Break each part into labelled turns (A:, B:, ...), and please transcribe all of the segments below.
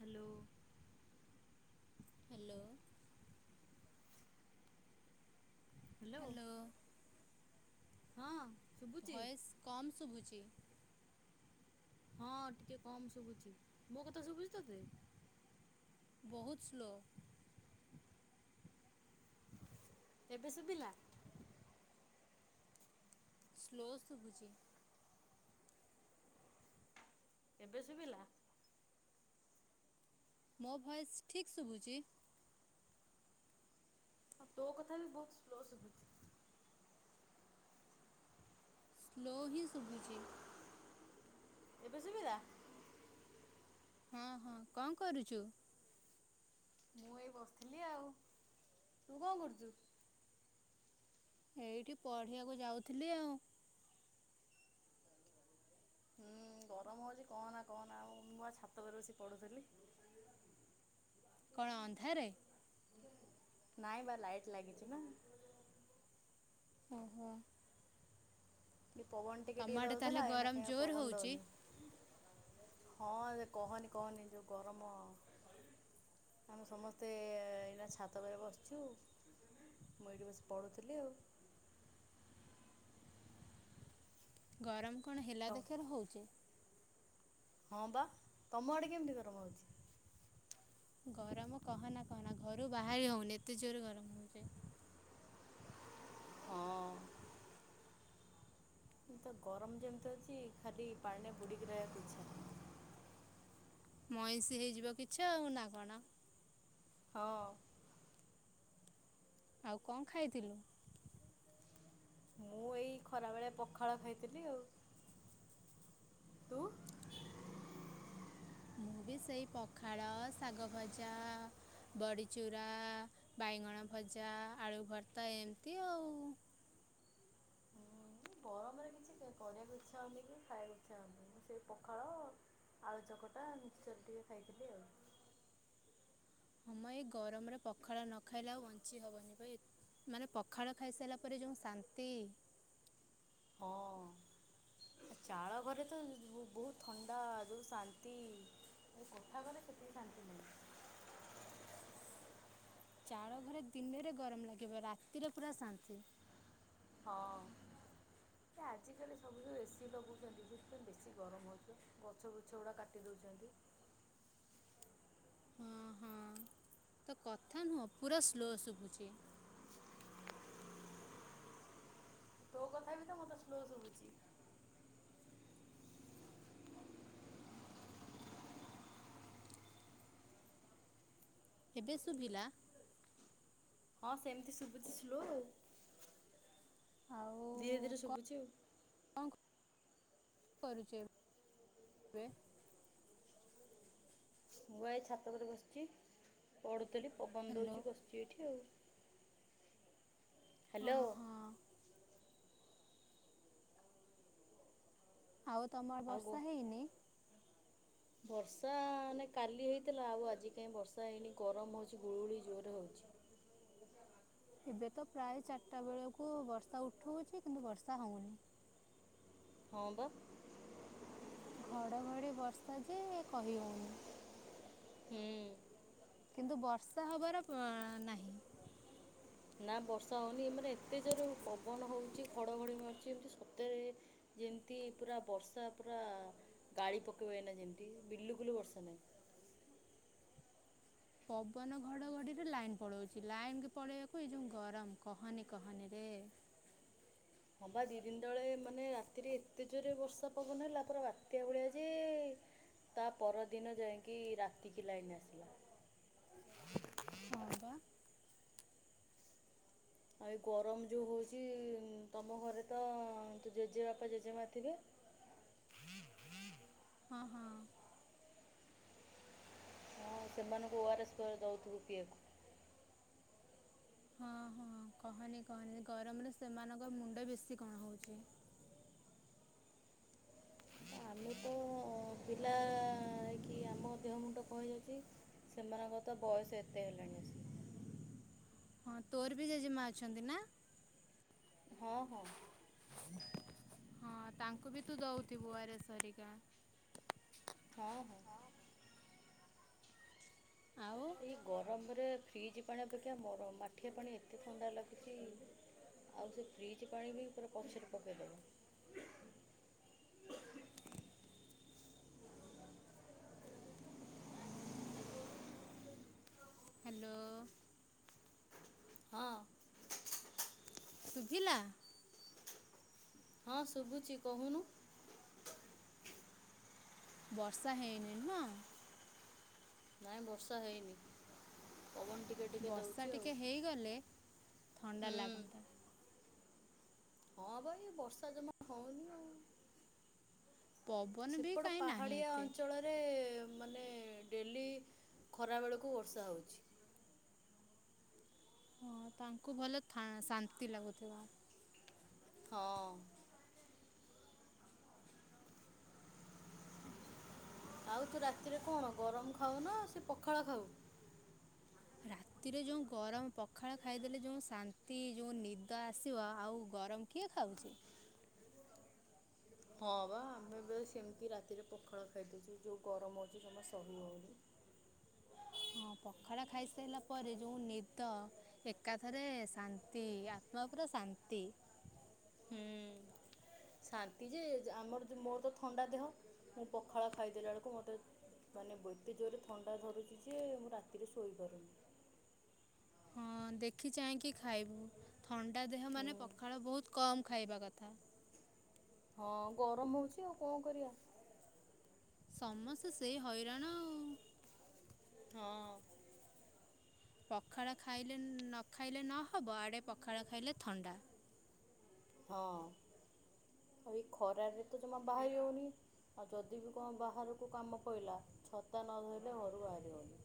A: Hello.
B: Hello.
A: Hello. ହଁ। ଶୁଭୁଛି
B: voice କମ୍ ଶୁଭୁଛି।
A: ହଁ ଟିକେ କମ୍ ଶୁଭୁଛି ମୋ କଥା ଶୁଭୁଛି?
B: ବହୁତ ସ୍ଲୋ।
A: ଏବେ ଶୁଭିଲା?
B: ସ୍ଲୋ ଶୁଭୁଚି।
A: ଏବେ ଶୁଭିଲା?
B: ମୋ ଭଏସ ଠିକ୍ ଶୁଭୁଛି
A: ତୋ କଥା ବି ବହୁତ ସ୍ଲୋ ଶୁଭୁଛି।
B: ସ୍ଲୋ ହିଁ ଶୁଭୁଛି।
A: ଏବେ ଶୁଵିଲା?
B: ହଁ ହଁ କଣ କରୁଛୁ?
A: ମୁଁ ଏଇ ବସିଥିଲି ଆଉ ତୁ କଣ କରୁଛୁ?
B: ଏଇଠି ପଢିବାକୁ ଯାଉଥିଲି ଆଉ
A: ହୁଁ ଗରମ ହଉଛି କହନା କହନା ଆ ଆଉ ମୁଁ ପା ଛାତ ଉପରେ ବସି ପଢୁଥିଲି।
B: କଣ ଅନ୍ଧାରେ
A: ନାଇଁ ବା ଲାଇଟ ଲାଗିଛି ନା।
B: ଓହୋ।
A: ପବନ ଟିକେ
B: ତମ
A: ଟିକେ
B: ଆଡ଼େ ତାହେଲେ
A: ଦଉଥିଲା ଏ ନା
B: ଗରମ
A: କାଁ
B: ଜୋର
A: ପବନ
B: ହେଉଛି
A: ଦଉନି। ହଁ କହନି କହନି ଯୋଉ ଗରମ ଆମେ ସମସ୍ତେ ଏଇ ନା ଛାତ ଉପରେ ବସିଛୁ ମୁଁ ଏଇଠି ବସିକି ପଢୁଥିଲି ଆଉ।
B: ଗରମ କଣ ହେଲା
A: ତ
B: ଦେଖରେ ହଉଛି
A: ହଁ ବା ତମ ଆଡେ କେମିତି ଗରମ ହଉଛି?
B: ଗରମ କହନା କହନା ଘରୁ ବାହାରି ହଉନି ଏତେ ଜୋର ଗରମ ହଉଛି।
A: ହଁ ତ ଗରମ ଯେମିତି ଅଛି ଖାଲି ପାଣି ବୁଡିକି ରହିବାକୁ ଇଚ୍ଛା।
B: ମଇଁଷି ହେଇଯିବ କିଛି ଆଉ ନା କଣ?
A: ହଁ।
B: ଆଉ କଣ ଖାଇଥିଲୁ?
A: ମୁଁ ଏଇ ଖରା ବେଳେ ପଖାଳ ଖାଇଥିଲି ଆଉ। ତୁ?
B: ମୁଁ ବି ସେଇ ପଖାଳ ଶାଗ ଭଜା ବଡ଼ିଚୁରା ବାଇଗଣ ଭଜା ଆଳୁ ଭର୍ତ୍ତା ଏନ୍ତି ଆଉ।
A: ଇ ଗରମରେ କିଛି କରିବାକୁ ଇଚ୍ଛା ହୋଉନି କି ଖାଇବାକୁ ଇଚ୍ଛା ହୋଉନି। ମୁଁ ସେଇ ପଖାଳ ଆଳୁ ଚକଟା ମିଶ୍ଚରେ ଟିକେ ଖାଇଥିଲି ଆଉ।
B: ହଁ ମ ଏଇ ଗରମରେ ପଖାଳ ନ ଖାଇଲେ ଆଉ ବଞ୍ଚି ହବନି ପା ଏ ମାନେ ପଖାଳ ଖାଇସାଇଲା ପରେ ଯୋଉ ଶାନ୍ତି।
A: ହଁ ଆ ଚାଳ ଘରେ ତ ବୋହୁତ ଥଣ୍ଡା ଯୋଉ ଶାନ୍ତି ଏ କୋଠା ଘରେ ସେତିକି ଶାନ୍ତି ନାହିଁ।
B: ଚାଳ ଘରେ ଦିନେରେ ଗରମ ଲାଗିବ ରାତିରେ ପୁରା ଶାନ୍ତି।
A: ହଁ ଏ ଆଜିକାଲି ସବୁ ଯୋଉ ଏ ସିି ଲଗଉଚନ୍ତି ସେଇଥିପାଇଁ ବେଶୀ ଗରମ ହୋଉଚି ଗଛବୁଛଉଡ଼ା କାଟି ଦୋଉଚନ୍ତି।
B: ହଁ ହଁ ତୋ କଥା ନୁହଁ ପୁରା ସ୍ଲୋ ଶୁଭୁଚି।
A: ତୋ କଥା ବି ତ ମତେ ସ୍ଲୋ ଶୁଭୁଚି।
B: ଏବେ ଶୁଭିଲା?
A: ହଁ ସେମତି ଶୁଭୁଚି ଆଉ।
B: ଆଉ
A: ଧୀରେ ଧୀରେ ଶୁଭୁଚି ଆଉ।
B: କରୁଚୁ ଏ ବେ?
A: ମୁଁ ଏଇ ଛାତ ଓପରେ ବସିଚି ପଢୁ ଥେଲି ପବନ
B: ହ୍ୟାଲୋ
A: ଦୋଉଚି ବସିଚି ଏଇଠି ଆଉ। ହାଲୋ।
B: ହଁ ହଁ ଆଉ ତମ ଆ
A: ଆଉ ଗୋ
B: ବର୍ଷା ହେଇନେଇ?
A: ବର୍ଷା ନାଇଁ କାଲି ହେଇଥିଲା ଆଉ ଆଜି କାଇଁ ବର୍ଷା ହେଇନି ଗରମ ହୋଉଚି ଗୁଳୁଗୁଳି ଜୋରେ ହଉଚି।
B: ଏବେ ତ ପ୍ରାୟ ଚାରିଟା ବେଳକୁ ବର୍ଷା ଉଠଉଚି କିନ୍ତୁ ବର୍ଷା ହଉନେଇ।
A: ହଁ ବା।
B: ଘଡ଼ଘଡ଼ି ବର୍ଷା ଯେ କହି ହୋଉନେଇ।
A: ହୁଁ଼
B: କିନ୍ତୁ ବର୍ଷା ହବାର ପଅ ନାହିଁ।
A: ନାଁ ବର୍ଷା ହଉନି ମାନେ ଏତେ ଜୋର ପବନ ହଉଚି ଘଡ଼ଘଡ଼ି ମାରୁଚି ଏମତି ସତରେ ଯେମତି ପୁରା ବର୍ଷା ପୁରା ଗାଳି ପକେଇବ ଏଇନା ଯେମତି। ବିଲୁକୁଲ ବର୍ଷା ନାହିଁ।
B: ପବନ ଘଡଘଡିରେ ଲାଇନ ପଳଉଚି। ଲାଇନ କେ ପଳେଇବାକୁ ଏଇ ଯୋଉ ଗରମ କହାନି କହାନିରେ।
A: ହଁ ପା ଦି ଦିନ ତଳେ ମାନେ ରାତିରେ ଏତେ ଜୋରେ ବର୍ଷା ପବନ ହେଲା ପୁରା ବାତ୍ୟା ଭଳିଆ ଯେ ତା ପର ଦିନ ଯାଇକି ରାତିକି ଲାଇନ ଆସିଲା।
B: ହଁ ପା।
A: ଆ ଏଇ ଗରମ ଯୋଉ ହୋଉଚି ଉଁ ତମ ଘରେ ତ ଜେଜେବାପା ଜେଜେମା ଥିବେ?
B: ହଁ ହଁ।
A: ହୁଁ ସେମାନୁଙ୍କୁ ଓ ଆର ଏସ୍ କରି ଦଉଥିବୁ ପିଇବାକୁ।
B: ହଁ ହଁ କହନି କହନିରେ ଗରମରେ ସେମାନଙ୍କ ମୁଣ୍ଡ ବେଶୀ କଣ ହଉଚି।
A: ଆମେ ତ ପିଲା ହେଇକି ଆମ ଦେହ ମୁଣ୍ଡ କଁ ହେଇଯାଉଚି ସେମାନଙ୍କର ତ ବୟସ ଏତେ ହେଲାଣି ଆସିକି।
B: ହଁ ତୋର ବି ଜେଜେମା ଅଛନ୍ତି ନାଁ?
A: ହଁ ହଁ‌।
B: ହଁ ତାଙ୍କୁ ବି ତୁ ଦଉଥିବୁ ଓ ଆର୍ ଏସ୍ ହରିକା।
A: ହଉ ହଉ।
B: ଆଉ
A: ଏଇ ଗରମର ରେ ଫ୍ରିଜ୍ ପାଣି ଅପେକ୍ଷା ମୋର ମାଠିଆ ପାଣି ଏତେ ଥଣ୍ଡା ଲାଗିଚି ଆଉ ସେ ଫ୍ରିଜ ପାଣି ବି ପୁରା ପଛରେ ପକେଇଦବ।
B: ହାଲୋ।
A: ହଁ।
B: ଶୁଭିିଲା?
A: ହଁ ଶୁଭୁଚି କହୁନୁ।
B: ବର୍ଷା ହେଇନି ନୁହଁ?
A: ନାଇଁ ବର୍ଷା ହେଇନି। ପବନ ଟିକେ ଟିକେ
B: ବର୍ଷା
A: ଦେଉଛି ଆଉ
B: ଟିକେ ହେଇଗଲେ ଥଣ୍ଡା
A: ହୁଁ
B: ଲାଗନ୍ତା
A: ହଁ ଭାଇ ବର୍ଷା ଜମା ହନି ଆ [inaudible]
B: ପବନ ବି
A: ସେପଟ
B: କାହିଁ ନାହିଁ
A: ପାହାଡିଆ
B: ଏତେ
A: ଅଞ୍ଚଳରେ [inaudible] ମାନେ ଡେଲି ଖରାବେଳକୁ ବର୍ଷା ହେଉଛି।
B: ହଁ ତାଙ୍କୁ ଭଲ ଶାନ୍ତି ଲାଗୁଥିବ।
A: ହଁ ଆଉ ତୁ ରାତିରେ କଣ ଗରମ ଖାଉ ନା ସେ ପଖାଳ ଖାଉ।
B: ରାତିରେ ଯେଉଁ ଗରମ ପଖାଳ ଖାଇଦେଲେ ଯେଉଁ ଶାନ୍ତି ଯେଉ ନିଦ ଆସିବ ଆଉ ଗରମ କିଏ ଖାଉଛି।
A: ହଁ ବା ଆମେ ବି ସେମିତି ରାତିରେ ପଖାଳ ଖାଇଦେଉଛୁ ଯେଉଁ ଗରମ ହେଉଛି ସେ ସହି ହେଉନି।
B: ହଁ ପଖାଲ ଖାଇସାରିଲା ପରେ ଯୋଉ ନିଦ ଏକାଥରେ ଶାନ୍ତି ଆତ୍ମା ଉପରେ ଶାନ୍ତି
A: ହୁଁ ଶାନ୍ତି ଯେ ଆମର ମୋର ତ ଥଣ୍ଡା ଦେହ ମୁଁ ପଖାଳ ଖାଇଦେଲା ବେଳକୁ ମତେ ମାନେ ବହୁତ ଜୋରରେ ଥଣ୍ଡା ଧରୁଛି ଯେ ମୁଁ ରାତିରେ ଶୋଇପାରୁନି।
B: ହଁ ଦେଖି ଚାହିଁକି ଖାଇବୁ। ଥଣ୍ଡା ଦେହ
A: ହୁଁ
B: ମାନେ ପଖାଳ ବହୁତ କମ୍ ଖାଇବା କଥା
A: ହଁ ଗରମ ହଉଛି ଆଉ କଣ କରିବା।
B: ସମସ୍ତେ ସେ ହଇରାଣ ଆଉ।
A: ହଁ
B: ପଖାଳ ଖାଇଲେ ନ ଖାଇଲେ ନହବ ଆଡ଼େ ପଖାଳ ଖାଇଲେ ଥଣ୍ଡା
A: ହଁ ଆଉ ଏ ଖରାରେ ତ ଜମା ବାହାରି ହେଉନି ଆଉ ଯଦି ବି କଣ ବାହାରକୁ କାମ ପଡ଼ିଲା ଛତା ନ ଧୋଇଲେ ଘରୁ ବାହାରି ହେଉନି।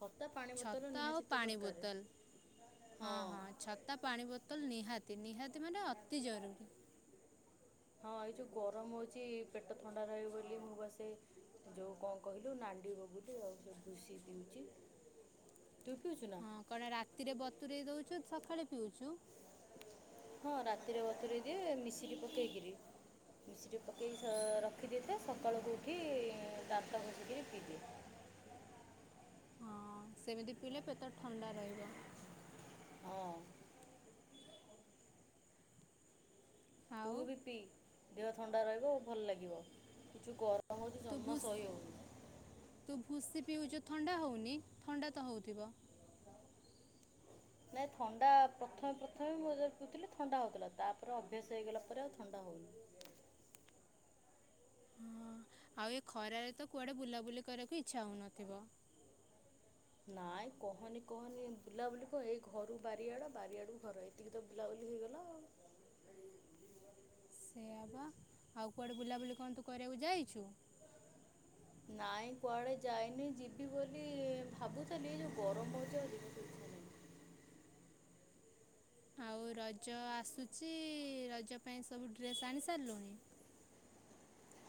A: ଛତା ପାଣି ବୋତଲ
B: ଛତା ଆଉ
A: ନିହାତି ତ
B: ପାଣି
A: ଦରକାର
B: ବୋତଲ ହଁ ହଁ ଛତା ପାଣି ବୋତଲ ନିହାତି ନିହାତି ମାନେ ଅତି ଜରୁରୀ।
A: ହଁ ଏଇ ଯୋଉ ଗରମ ହଉଛି ପେଟ ଥଣ୍ଡା ରହିବ ବୋଲି ମୁଁ ବାସେ ଯୋଉ କଣ କହିଲୁ ନାଡିିବ ବୋଲି ଆଉ ସେ ଭୁଷ ପିଉଛି। ତୁ ପିଉଛୁ ନା
B: ହଁ କଣ ରାତିରେ ବତୁରରେଇ ଦଉଛୁ। ସକାଳେ ପିଉଛୁ।
A: ହଁ ରାତିରେ ବତୁରାଇ ଦିଏ ମିଶରି ପକେଇକିରି ମିଶରି ପକେଇକି ରଖିଦେଇଥାଏ ସକାଳକୁ ଉଠି ଦାନ୍ତ ଘଷିକିରି ପିଇଦିଏ।
B: ହଁ ସେମିତି ପିଇଲେ ପେଟ ଥଣ୍ଡା ରହିବ।
A: ହଁ।
B: ଆଉ
A: ତୁ ବି ପିଇ ଦେହ ଥଣ୍ଡା ରହିବ। ଭଲ ଲାଗିବ କିଛି ଗ
B: ତ ଭୁସ ତ ଭୁସେ ବିିଉ ଯ ଥଣ୍ଡା ହେଉନି ଥଣ୍ଡା ତ ହେଉଥିବ।
A: ନାଇଁ ଥଣ୍ଡା ପ୍ରଥମେ ପ୍ରଥମେ ମୁଁ ପିଥିଲି ଥଣ୍ଡା ହଉଥିଲା ତାପରେ ଅଭ୍ୟାସ ହେଇଗଲା ପରେ ଆଉ ଥଣ୍ଡା ହଉନି
B: ହଁ ଆଉ ଏ ଖରାରେ ତ କୁଆଡେ ବୁଲାବୁଲି କରିବାକୁ ଇଚ୍ଛା ହଉନଥିବ।
A: ନାଇଁ କହନି କହନି ବୁଲାବୁଲି କହ ଏଇ ଘରୁ ବାରିଆଡ ବାରିଆଡୁ ଘର ଏତିକି ତ ବୁଲାବୁଲି ହେଇଗଲା ଆଉ।
B: ସେ ହେବା ଆଉ କୁଆଡ଼େ ବୁଲାବୁଲି କଣ ତୁ କରିବାକୁ ଯାଇଛୁ।
A: ନାଇଁ କୁଆଡେ ଯାଇନି ଯିବି ବୋଲି ଭାବୁଥିଲି ଯୋଉ ଗରମ ହଉଛି ଆଉିନ ଶ
B: ଆଉ ରଜ ଆସୁଛି ରଜ ପାଇଁ ସବୁ ଡ୍ରେସ ଆଣି ସାରିଲୁଣି।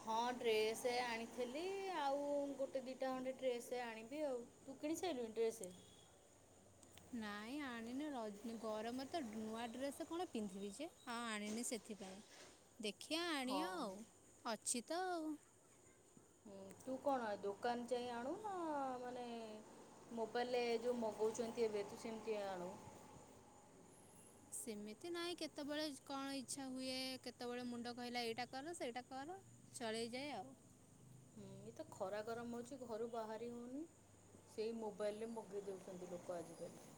A: ହଁ ଡ୍ରେସ ଆଣିଥିଲି ଆଉ ଗୋଟେ ଦିଇଟା ଖଣ୍ଣ୍ଡେ ଡ୍ରେସ ଆଣିବି ଆଉ ତୁ କିଣି ସାରିଲୁନି ଡ୍ରେସ
B: ନାଇଁ ଆଣିନି ଗରମରେ ତ ନୂଆ ଡ୍ରେସ୍ କଣ ପିନ୍ଧିବି ଯେ ଆଉ ଆଣିନି ସେଥିପାଇଁ ଦେଖିବା ଆଣଅ
A: ହଁ
B: ଆଉ ଅଛି। ତଉ
A: ହୁଁ ତୁ କଣ ଦୋକାନ ଯାଇ ଆଣୁ ନା ମାନେ ମୋବାଇଲରେ ଯୋଉ ମଗଉଛନ୍ତି ଏବେ ତୁ ସେମିତି ଆଣୁ
B: ସେମିତି ନାହିଁ କେତେବେଳେ କଣ ଇଚଛା ହୁଏ କେତେବେଳେ ମୁଣ୍ଡ କହିଲା ଏଇଟା କର ସେଇଟା କର ଚଳେଇଯାଏ ଆଉ
A: ଁ ଏ ତ ଖରା ଗରମ ହେଉଛି ଘରୁ ବାହାରି ହଉନି ସେଇ ମୋବାଇଲରେ ମଗେଇ ଦେଉଛନ୍ତି ଲୋକ ଆଜିକାଲି [inaudible]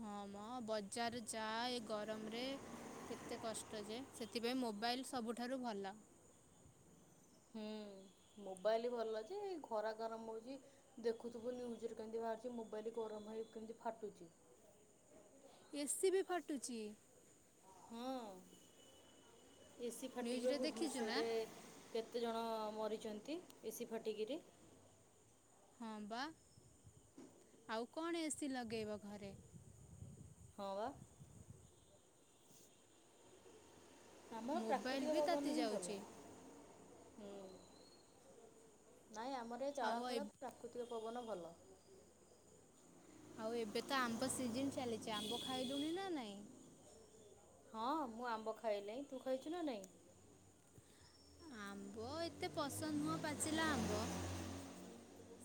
B: ହଁ ମଁ ବଜାର ଯା ଏ ଗରମରେ କେତେ କଷ୍ଟ ଯାଏ ସେଥିପାଇଁ ମୋବାଇଲ ସବୁଠାରୁ ଭଲ
A: ହୁଁ ମୋବାଇଲ ଭଲ ଅଛି ଖରା ଗରମ ହଉଛି ଦେଖୁଥିବୁ ନ୍ୟୁଜ୍ ରେ କେମିତି ବାହାରୁିଛି ମୋବାଇଲ ଗରମ ହେଇ କେମିତି ଫାଟୁଛି।
B: ଏସ୍ ସି ବି ଫାଟୁଛି।
A: ହଁ। ଏସିି ଫାଟିଗ୍ ପା
B: ନ୍ୟୁଜରେ ଦେଖିଛୁ ନା?
A: ଭୁବନେଶ୍ୱରରେ କେତେଜଣ ମରିଛନ୍ତି ଏସିି ଫାଟିକିରି।
B: ହଁ ବା ଆଉ କଣ ଏସି ଲଗେଇବ ଘରେ
A: ହଁ ବା। ଆମର
B: ମୋବାଇଲ୍
A: ପ୍ରାକୃତିକ
B: ବି ତାତି
A: ପବନ ହଁ
B: ଯାଉଛି
A: ଭଲ। ହୁଁ ନାଇଁ ଆମର ଏ
B: ଆଉ
A: ଚାଳଘର ପ୍ରାକୃତିକ ପବନ। ଭଲ
B: ଆଉ ଏବେ ତ ଆମ୍ବ ସିଜନ ଚାଲିଛି ଆମ୍ବ ଖାଇଲୁଣି ନା ନାଇଁ?
A: ହଁ ମୁଁ ଆମ୍ବ ଖାଇଲି ତୁ ଖାଇଛୁ ନା ନାଇଁ?
B: ଆମ୍ବ ଏତେ ପସନ୍ଦ ନୁହଁ ପାଚିଲା ଆମ୍ବ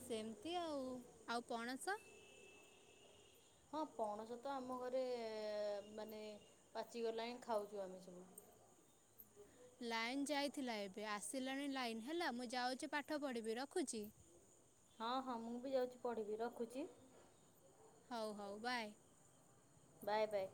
B: ସେମତି ଆଉ ଆଉ ପଣସ
A: ହଁ ପଣସ ତ ଆମ ଘରେ ମାନେ ପାଚିଗଲାଣିିଁ ଖାଉଛୁ ଆମେ ସବୁ
B: ଲାଇନ ଯାଇଥିଲା ଏବେ ଆସିଲାଣି ଲାଇନ ହେଲା ମୁଁ ଯାଉଛି ପାଠ ପଢିବି ରଖୁଛି।
A: ହଁ ହଁ ମୁଁ ବି ଯାଉଛି ପଢିବି ରଖୁଛି।
B: ହଉ ହଉ ବାଏ।
A: Bye bye.